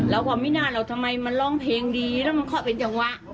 แล้วก็ไม่หน่าแล้วทำไมมันร่องเพลงดีแล้วมันเข้าไปเป็นจังวะ